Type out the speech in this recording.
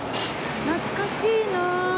懐かしいな！